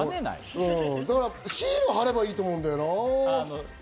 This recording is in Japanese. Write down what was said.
だからシール貼ればいいと思うんだよな。